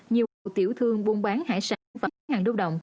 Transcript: nhiều tiểu thương buôn bán hải sản và hàng đô đồng